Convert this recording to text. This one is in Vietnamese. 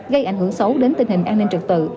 gây ảnh hưởng xấu đến tình hình an ninh trật tự